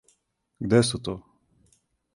Где су то?